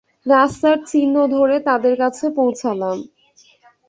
রাস্তার চিহ্ন ধরে তাদের কাছে পৌছালাম।